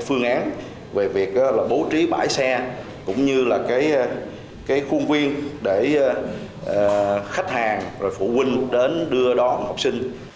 phương án về việc bố trí bãi xe cũng như là khuôn viên để khách hàng phụ huynh đến đưa đón học sinh